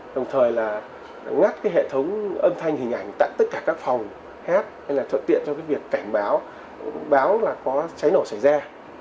đồng thời là ngắt cái hệ thống âm thanh hình ảnh tại tất cả các phòng hát hay là thuận tiện cho cái việc cảnh báo báo là có cháy nổ xảy ra